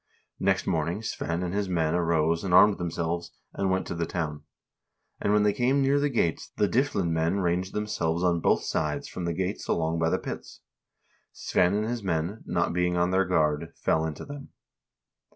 " Next morning Svein and his men arose and armed themselves, and went to the town ; and when they came near the gates, the Dyflin men ranged themselves on both sides from the gates along by the pits. Svein and his men, not being on their guard, fell into them.